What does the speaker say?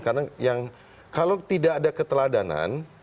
karena yang kalau tidak ada keteladanan